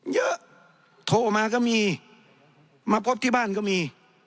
โทรมาก็มีมาพบที่บ้านก็มี